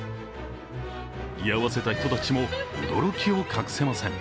居合わせた人たちも驚きを隠せません。